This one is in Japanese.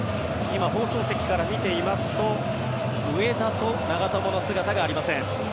今、放送席から見ていますと上田と長友の姿がありません。